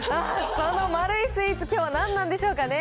きょうの丸いスイーツは何なんでしょうかね。